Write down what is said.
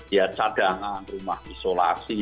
ya cadangan rumah isolasi